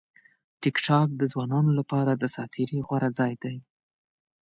ټیکټاک د ځوانانو لپاره د ساعت تېري غوره ځای دی.